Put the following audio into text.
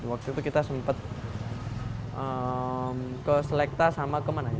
waktu itu kita sempat ke selekta sama ke mananya